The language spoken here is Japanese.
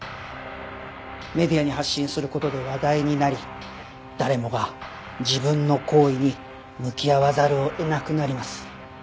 メディアに発信する事で話題になり誰もが自分の行為に向き合わざるを得なくなります。